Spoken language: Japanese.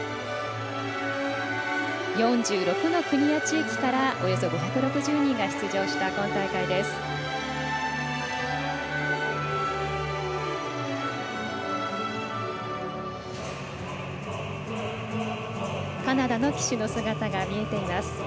４６の国や地域からおよそ５６０人が出場した今大会です。